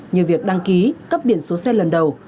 như việc đăng ký cấp biển số xe lần đầu